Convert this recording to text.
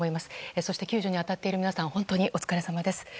そして、救助に当たっている皆さん、本当にお疲れさまです。